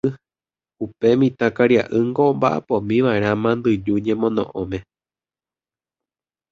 Upe mitãkaria'ýngo omba'apómiva'erã mandyju ñemono'õme.